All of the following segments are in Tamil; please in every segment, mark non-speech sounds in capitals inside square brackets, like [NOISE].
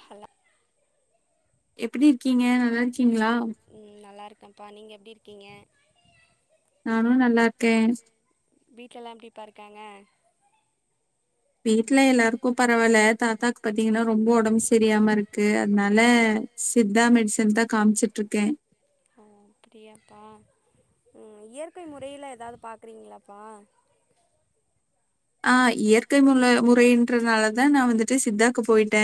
ஹல்லா எப்டி இர்க்கீங்க நல்லா இர்க் கீங்ளா ம்ப்பா நீங்க எப்டி இர்க்கிங்க நானு நல்லார்க்கேன் வீட்லல்லாம் எப்டி பா இருக்காங்க வீட்ல எல்லாருக்கு பரவால்ல தாத்தாக் பாத்திங்ன்னா ரொம்போ ஒடம்பு செரியாம இருக்கு அதனால சித்தா மெடிசன்தா காம்ச்சிட்ருக்க உம் இயற்கை முறையில எதாது பாக்றிங்ளாப்பா ஆ இயற் ற்கை முல்ல முறைன்றதனாலதா நா வந்துட்டு சித்தாக்கு போயி ட்ட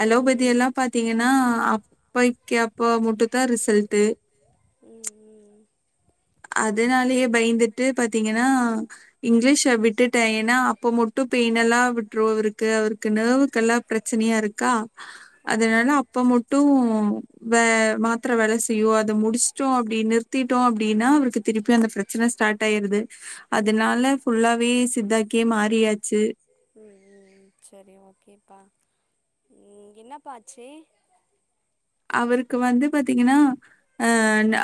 அலோபதி ம் எல்லாம் பாத்திங்கன்னா அப்பைக்கு அப்போ மட்டுந்தா ரிசல்ட்டு ம் ம் ம் இங்லீஷ விட்டுட்டே ஏன்னா அப்ப மட்டு பெய்ன் எல்லா விட்ரு அவருக்கு அவருக்கு நெர்வுக்கெல்லா ப்ரச்சனையாருக்கா ஆ அதனால அப்ப மட்டு ம் வே மாத்தர வேல செய்யு அத முடிச்ட்டோ அப்டி நிறுத்திட்டோ அப் டினா அவருக்கு திருப்பி அந்த பிரச்சன ஸ்டார்ட் ஆயிருது ம் அதனால ம் ம் ஃபுல்லாவே சித்தாக் கே மாறியாச்சு ம் சரி ஓகேப்பா ம் என்னப்பா ஆச்சு அவருக்கு வந்து பாத்தீங்கன்னா அ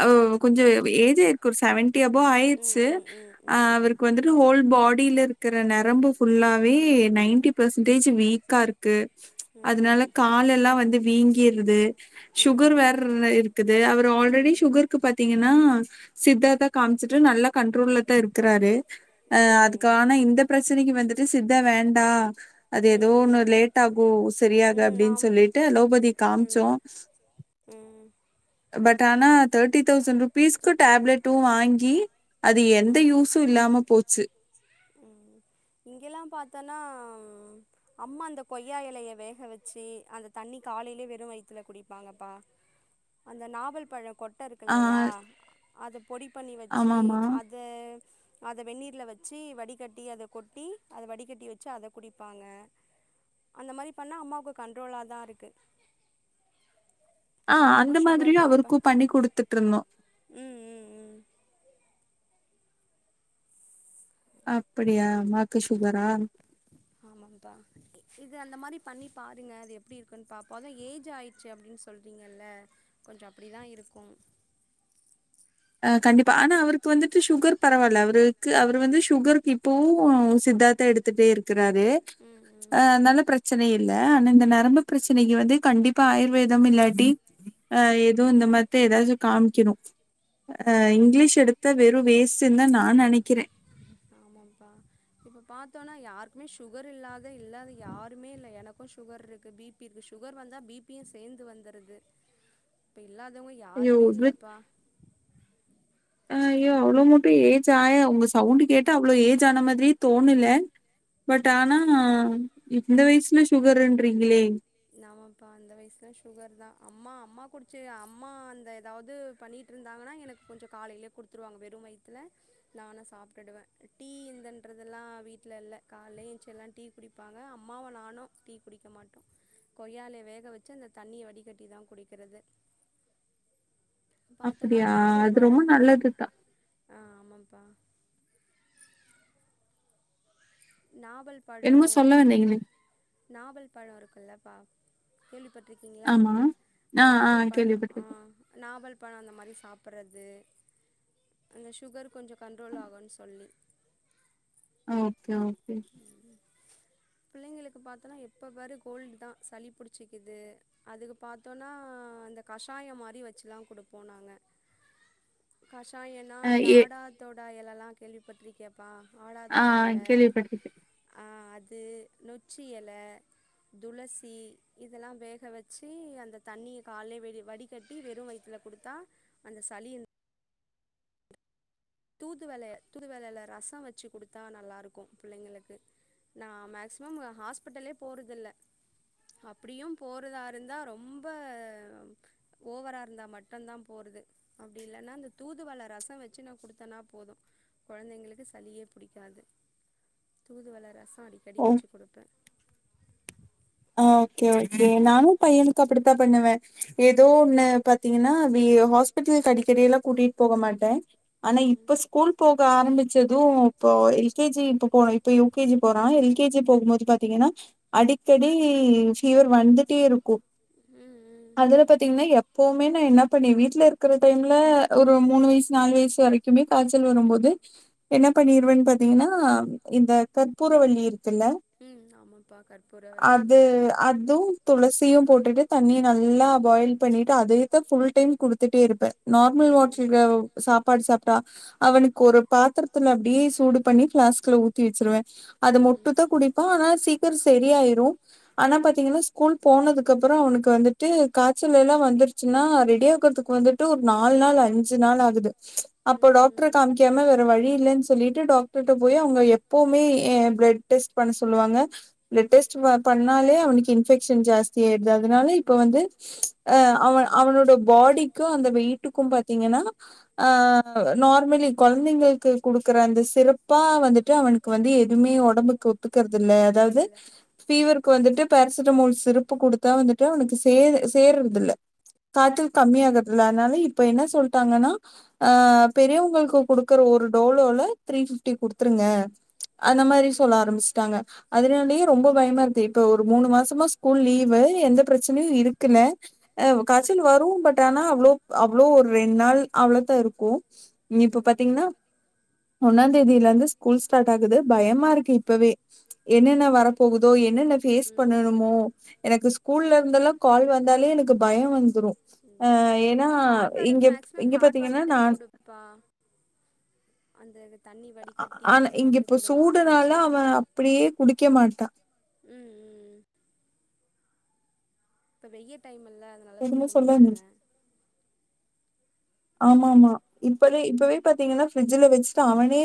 ஓ கொஞ்ச ஏஜ் ஆயிர்க்கு ஒரு சவன் டி அபோ ம் ஆயிர்ச்சு ம் ம் ம் அவருக்கு வந்துட்டு ஹோல் பாடில க்குற நெரம்பு ஃபுல்லாவே நைன்ட்டி பர்சன்டேஜ் வீக்கா இருக்கு அதுனால ம் காலெல்லா வந்து வீங்கி ஈர்ருது ம் ம் சுகர் ம் வேர் இருக்குது அவரு ஆல்ரெடி சுகருக்கு பாத்தீங்கன்னா சித்தாதா காமிச்சுட்டு நல்லா கண்ட்ரோல்லல தா இருக்கறாரு அ ம் அதுக்கான இந்த ப்ரச்சனைக்கு வந்துட்டு சித்த வேண்டா அது ம் ஏதோ ஒன்னு ம் லேட் ஆகு சரியாகது ம் அப்டின்னு ஆம் சொல்லிட்டு லோபதி காம்ச்சோ ம் ம் பட் ஆனா தேட்டி தவ்ஸண்ட் ரூபீஸ் டேப்லட்டு வாங்கி அது எந்த யூசு இல்லாம போச்சு ம் இங்கெல்லாம் பாத்தோன்னா அம்மா அந்த கொய்யா எலய வேக வச்சு அந்த தண்ணி காலையிலே வெறு வயித்துல குடிப்பாங்கப்பா அந்த நாவல் பழம் கொட் பட்ட இருக்கு ஆ இல்லயா அத பொடி பண்ணி வச்சு ஆமாமா. அ அத வெண்ணிர்ல வச்சி வடிகட்டி அத கொட்டி அத வடிகட்டி வச்சி அத குடிப்பாங்க அந்த மாதுரி பண்ண அம்மாகு கண்ட்ரோளா தா இருக்கு ஆ அம்மாவுக்கு அந்த மாதிரியு சுகர் தா அப்ப அவருக்கு பண்ணி குடுத்துட்ருந்தோ ம் ம் ம் அப்பிடியா அம்மாக்கு சுகரா ஆமாப்பா இது அந்த மாரி பண்ணி பாருங்க அது எப்டி இருக்குன் பாப்போ ஆனா ஏஜ் ஆயிடுச்சு அப்டின் சொல்றீங்கல்ல கொஞ்ச அப்பிடிதா இருக்கு அ கண்டிப்பா ஆனா அவருக்கு வந்துட்டு சுகர் பரவால அவருக்கு அவர் வந்து சுகருக்கு இப்பவு சித்தாதா எடுத்துட்டே இரு க்றாரு ம் ம் அதனால ப்ரச்சனை இல்ல ஆனா இந்த நரம்பு பிரச்சனைக்கு வந்து கண்டிப்பா ஆயுர்வேதம் இல்லாட்டி அ ஏதோ இந்த மாத்தா எதாச்சு காமிக்கணு அ ம் இங்கிலீஷ் எடுத்த இங்க வெறு வேஸ்ட்டுன்தா நா நெனைக்கிறே த்தோனா யாருக்குமே சுகர் இல்லாத இல்லாது யாருமே இல்ல எனக்கு சுகர் இருக்கு பி பி இருக்கு சுகர் வந்தா பி பி யு சேந்து வந்துருது இல்லாதவங்க ஐயோ! யாருமே இல்லப்பா அ ஐயோ அவ்ள மட்டு ஏஜ் ஆய உங்க சவுண்டு கேட்டா அவ்ள ஏஜ் ஆன மாதிரியே தோணுல பட் ஆனா இப் இந்த வயசுல சுகருன்றிங்ளே ஆமாப்பா அந்த வயசுலாம் சுகர் தான் அம்மா அம்மா குடிச்ச அம்மா அந்த ஏதாவது பண்ணிகிட்டு இருந்தாங்கன்னா எனக்கு கொஞ்சம் காலையிலே கொடுத்துருவாங்க வெறும் வயத்துல நானும் சாப்பிட்டுடுவேன் டீ இந்தன்றதெல்லாம் வீட்டில இல்ல காலைல எந்ச்சி எல்லாம் டீ குடிப்பாங்க அம்மாவு நானும் டீ குடிக்க மாட்டோம் கொய்யாலைய வேக வச்சு அந்த தண்ணிய வடிகட்டி தான் குடிக்கிறது பாத்தோன்னா அப்படியா அது ரொம்ப நல்லது தான் ஆஹ் ஆமாப்பா நாவல் என்னமோ பழம் சொல்ல வந்தீங்களே நாவல் பழம் இருக்குலப்பா கேள்விப்பட் இருக்கீங்களா ஆமா ஆ ஆ நாவல் பழம் ஆ கேள்விப்பட்டிருக்கேன் நாவல் பழம் அந்த மாரி சாப்பிடறது அந்த சுகர் கொஞ்சோ கண்ட்ரோல் ஆகுனு சொல்லி ஆ ஓகே ஓ உம் பிள்ளைங்களுக்கு பார்த்தோனா எப்ப பாரு கோல்டு தான் சளி புடிச்சக்குது அதுக்கு பாத்தோனா அந்த கஷாயம் மாரி வச்சுலா கொடுப்போ நாங்க கஷாயம் நா ஆ அந்த ஆடாத்தோட் [UNINTELLIGIBLE] யெல்லா கேள்விபட்டிரு கே ஆஹ் கேள்விப்பட்டிருக் அது நொச்சி இல துளசி இதெல்லா வேக வச்சு அந்த தண்ணிய காலய வெ வடிகட்டி வெறும் வயுத்துல குடுத்தா அந்த சளி தூதுவல தூதுவலையில ரசோ வச்சு குடுத்தா நல்லா இருக்கு பிள்ளைங்களுக்கு நான் மேக்சிமம் ஹாஸ்பிட்டல்லே போறதில்ல அப்படியும் போறதா இருந்தா ரொம்ப ஓவரா இருந்தா மட்டும்தான் போறது அப்டி இல்லைன்னா அந்த தூதுவல ரசோ வச்சு நான் குடுத் தானா போது குழந்தைங்களுக்கு சலியே புடிக்காது தூதுவல ரசோ அடிக்கடி ஓ வச்சு குடுப்பேன் ஓகே ஓகே நானும் பையனுக்கு அப்படித்தான் பண்ணுவேன் ஏதோ ஒன்னு பாத்தீங்கன்னா அ ஹாஸ்பிட்டலுக்கு அடிக்கடிெல்லா கூட்டிட்டு போக மாட்டேன் ம் ஆனா ம் இப்ப ஸ்கூல் போக ஆரம்பிச் சது இப்ப எல் கே ஜி இப்ப போ இப்ப யு கே ஜி போறா எல் கே ஜி போகும் போது பாத்தீங்கன்னா அடிக் அடிக்கடி ஃபீவர் வந்துட்டே இருக்கு ம் அதுல பாத்தீங்கன்னா எப்பவுமே என்ன பண்ணி வீட்டுல இருக்கிற டைம்ல ஒரு மூணு வயசு நாலு வயசு வரைக்குமே காய்ச்சல் வரும்போது என்ன பண்ணிருவேன்னு பாத்தீங்கன்னா இந்த கற்பூர வள்ளி இருக்குல்ல உம் ஆமா அது அதுவும் துளசியும் போட்டுட்டு தண்ணி நல்லா பாயில் பண்ணிட்டு அதேத்தான் ஃபுல் டைம் குடுத்துட்டே இருப்பேன் நார்மல் ம் வாட்டர்ல சாப்பாடு சாப் அவனுக்கு ஒரு பாத்திரத்துல அப்படியே சூடு பண்ணி பிளாஸ்க்ல ஊத்தி வச்சிருவேன் ம் அது ம் மொட்டுதான் குடிக்குப்பான் ஆனா சீக் [UNINTELLIGIBLE] டியாயிரு ஆனா பாத்தீங்கன்னா ஸ்கூல் போனதுக் அதுக்கப்பறோ அவனுக்கு வந்துட்டு காய்ச்சல்லா எல்லாம் வந்துருச்சுனா ரெடி ஆகுறதுக்கு வந்துட்டு ஒரு நாலு நாள் அஞ்சு நாள் ஆகுது அப்போ ம் டாக்டர்அ காமிக்காம வேற வழி இல்லன்னு சொல்லிட் டு டாக்டர்ட்ட போயே அவ்ங்க எப்பவ்மே ஏ ப்ளட் டெஸ்ட் பண்ண சொல்லுவாங்க ப்ளட் டெஸ்ட் ப பண்ணாலே அவனுக்கு இன்ஃபெக்ஷன் ஜாஸ்தி ஆய்டுது அதுனால ம் இப்போ வந்து ஆ அவ அவனோட பாடிக்கு அந்த வெயிட்டுக்கும் பாத்தீங்கன்னா ஆ ஆ நார்மலி கொழந்தைங்கள்க்கு குடுக்குற அந்த சிறப்பா வந்துட்டு அவனுக்கு வந்து எதுவ்மே ஒடம்புக்கு ஒத்துக்கற்தில்ல அதாவ்து ஒத்துக்கல ஃபீவர்க்கு வந்துட்டு பேரசிட்டமோல் சிரப்பு குடுத்தா வந்துட்டு அவனுக்கு சே சேர்றதில்ல காச்சல் கம்மியாகற்தில்ல அத்னால இப்ப என்ன சொல்ட்டாங்கன்னா ஆ பெரியவ்ங்களுக்கு குடுக்குற ஒரு டோலோல த்ரீ ஃபிஃப்டி குடுத்துருங்க அந்த மாரி சொல்ல ம் ம் ஆரம்பிச்சிட்டாங்க அதனாலயே ரொம்ப பயமார்க்து இப்போ ஒரு மூணு மாசமா ஸ்கூல் லீவு எந்த ப்ரச் னியு இருக்குல ஆ காச்சல் ம் வரு பட் ஆனா அவ்ளோ அவ்ளோ ஒரு ரெண் நாள் அவ்ளோத்தா இருக்கு நீ இப்பொ ம் பாத்தீங்னா ஒன்னாந் தேதியிலேர்ந்து ஸ்கூல் ஸ்டாட் ஆகுது பயமா இருக்கு இப்பவே என்னென்ன வரப் போகுதோ என்னென்ன ஃபேஸ் பண்ணனுமோ ம் எனக்கு ஸ்கூல்ல ந்தெல்லா கால் வந்தாலே எனக்கு பய வந்து ரு ம் ஏனா ஹாட் வாட்டர் இங்க மேக்சிமம் இங்க ஹாட் பாத்திங்கனா வாட்டரே நான் குடுப்பா அந்த தண்ணி ஆ வடிகட்டி ஆனா இங்க அப்டியே இப்ப குடுங்க ஆற சூடுனால வச்சு அவ அப்பிடியே குடிக்க மாட்டா ம் ம் இப்ப வெய்ய டைம் இல் ல அதனால என்னமோ குடிக்க சொல்ல வந்த மாட்டாங்க ஆமாமா இப்பவே இப்பவே பாத்திங்கனா ஃப்ரிட்ஜில வச்சுட்டு அவனே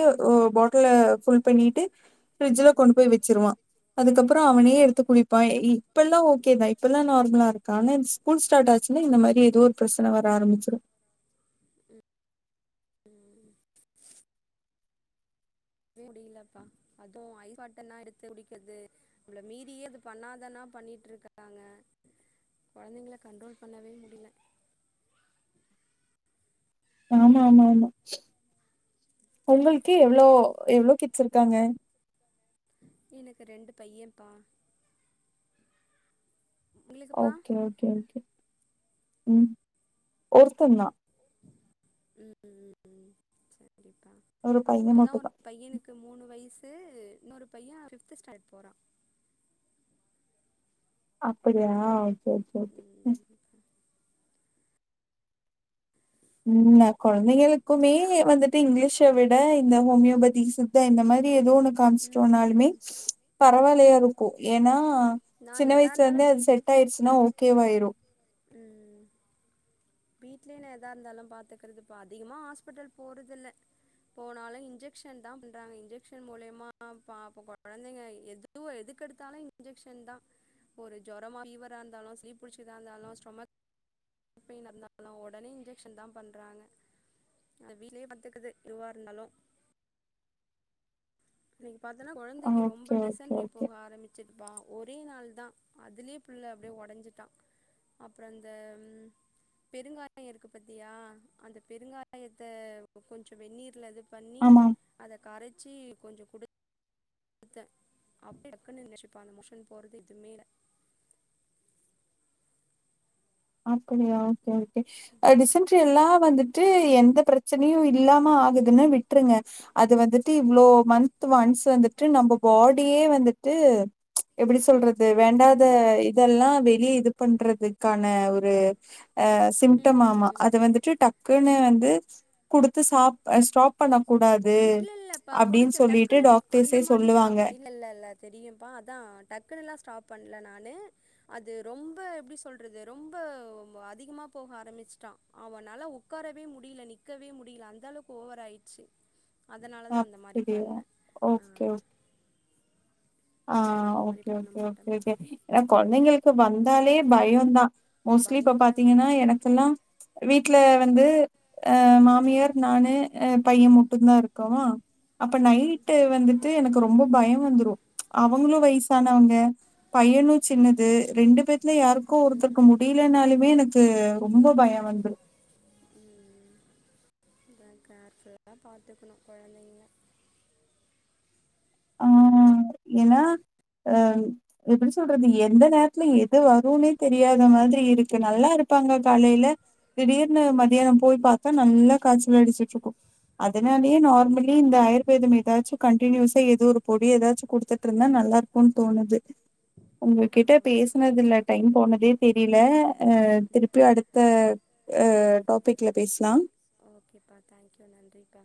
பாட்டில ஃபுல் பண்ணிட்டு ஃப்ரிட்ஜ்ல கொண்டு ம் போய் வெச்சுருவா அதுக்கப்புற அவனே ம் எடுத்து குடிப்பா இப்பெல்லா ஓகே தா இப்பெல்லா நார்மலா இருக்கா ஆனா இந்த ஸ்கூல் ஸ்டாட் ஆச்சுனா இந்த மாரி எதோ ஒரு பிரசன வர ஆரம்பிச்சிரு வே முடிலப்பா அதுவு ஐஸ் வாட்டர்னா எடுத்து குடிக்கர்து நம்ள மீறியே அத பண்ணாதனா பண்ணிட்ருக்கறாங்க கொழந்தைங்கள கண்ட்ரோல் பண்ணவே முடில ஆமாமாமா உங்கள்க்கு எவ்ளோ எவ்ளோ கிட்ஸ் இருக்காங்க எனக்கு ரெண்டு பையம்ப்பா ஓகே ஓகே ஓகே ம் ஒருத்தந்தா ம் ம் ம் சேர் க்கா ஒரு பையன் இப்பதா மட்டும் ஒரு தான். பையனுக்கு மூணு வயுசு து இன்னொரு பைய ஃபிஃப்த் ஸ்டாண்டட் போறா அப்பிடியா செரி செரி ம் உம் நா குழந்தைகளுக்குமே வந்துட்டு இங்கிலீஷ விட இந்த ஹோமியோபதி சித்தா இந்த மாதிரி ஏதோ ஒண்ணு ம் காமிச்சுட்டோனாலுமே ம் பரவால்லையாருக்கும் ஏன்னா நா சின்ன எதா இருந்தாலு வயசுலருந்தே அது வீட்ல செட் ஆயிடுச்சுன்னா ஓகேவாயிரு ம் வீட்லயே எதா இருந்தாலும் பாத்துக்கறது இப்ப அதிகமா ஹாஸ்பிட்டல் போறதில்ல போனாலும் இன்ஜெக்க்ஷன் தா பண்றாங்க இன்ஜெக்க்ஷன் மூலியமா பாவம் குழந்தைங்க எது எதுக்கெடுத்தாலும் இன்ஜெக்க்ஷன் தா ஒரு ஜொரமா ஃபீவரா இருந்தாலும் சீ புடிச்சதா இருந்தாலும் ஸ்டொமக்பெயின் இருந் பெயின் இருந்தாலும் உடனே இன்ஜெக்ஷன் தா பண்றாங்க அது வீட்லயே பாத்துக்கறது எதுவா இருந்தாலும் நீங் பாத்தன்னா குழந்தைக்கி ஓகே, ரொம்ப ஓகே, டிசன்ரி ஓகே. போக ஆரம்மிச்சி ப்ப ஒரே நாள் தான் அதுலே பிள்ள அப்டியே உடஞ்சிட்டான் அப்பறம் அந்த பெருங்காயம் இருக்கு பாத்தியா அந்த பெருங்காயாத்த கொஞ்சோ வெந்நீர்ல இது பண்ணி ஆமா. அத கரச் சி கொஞ்சோ குடு கொடுத்தேன் அப்பயே டக்குனு மோஷன் போறது எதுவுமேஇல்லே அப்படியா சேர் சேர் டிசன்ரி எல்லா வந்துட்டு எந்த பிரச்சனையும் இல்லாம ஆகுதுன்னு விட்டுருங்க அது வந்துட்டு இவ்ளோ மந்த் ஒன்ஸ் வந்துட்டு நம்ம பாடியே வந்துட்டு ச் எப்படி சொல்றது வேண்டாத இதெல்லாம் வெளியே இது பண்றதுக்க ன ஒரு அ ம் சிம்டம் ம் ஆமாம் ம் அது வந்துட்டு டக் க்குனே வந்து குடுத்து ஸ்டாப் அ ஸ்டாப் பண்ண கூடாது இல்ல இல்லப்பா அப்டின்னு கொடுத்து சொல்லிட்டு டக்குனுலா அந்த டாக்டர்ஸே மாரி சொல்லுவாங்க ஸ்டாப் இல்ல இல்ல இல்ல தெரியும்பா அதா டக்குனுலா ஸ்டாப் பண்ணல நானு அது ரொம்ப எப்டி சொல்றது ரொம்ப அதிகமா போக ஆரம்பிச்சிட்டான் அவனால உட்காரவே முடியல நிக்கவே முடியல அந்த அளவுக்கு ஓவரா ஆயிருச்சு அதனாலதா அந்த மாரி அப்டியா பண்ணேன் ஆஹ் ஆஹ் ஓகே ஓகே ஓகே இப்ப ஏன் கொழந்தைங்களுக்கு வந்தாலே பயம்தான் மோஸ்ட்லி இப்ப பயந்தா பாத்தீங்கன்னா எனக்கெல்லாம் வீட்டு்ல வந்து அஹ் மாமியார் நானு பையன் முட்டுதா இருக்கோம் அப்ப ம் நைட்டு வந்துட்டு எனக்கு ரொம்ப பயம் வந்துரும் அவங்களும் வயசானவங்க பையனும் சின்னது ம் ரெண்டு பேத்துல யாருக்கோ ஒருத்தருக்கு ம் முடியலனாலுமே எனக்கு ரொம்ப பயம் வந்துரு ம் [INAUDIBLE] கேர்ஃபுல்லா பார்த்துக்கணும் கொழந்தைகளே ஆஹ் ஏன்னா அஹ் எப்படி சொல்றது எந்த நேரத்துல எது வருன்னே தெரியாத மாதிரி இருக்கு நல்லா இருப்பாங்க காலைலே திடீர்னு ம் மத்தியானம் போய் பாத்தா நல்லா காய்ச்சல் அடிச்சிட்டு இருக்கும் அதனாலயே நார்மலி இந்த ஆயுர்வேதம் ஏதாச்சு கண்டினியூஸ் [UNINTELLIGIBLE] இது ஒரு பொடி ஏதாச்சு குடுத்துட்டு இருந்தா நல்லா இருக்கோனும் தோணுது உங்ககிட்ட ஆமாங்க பேசுனதுல டைம் போனதே தெரிலே அ திருப்பி அடுத்த அ டாப் வீட்ல பேஸ்லாம் ஓகேப்பா தேங்க் யூ நன்றிப்பா